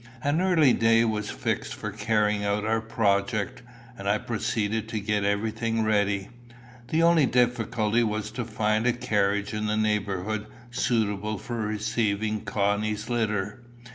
An early day was fixed for carrying out our project, and I proceeded to get everything ready. The only difficulty was to find a carriage in the neighbourhood suitable for receiving Connie's litter.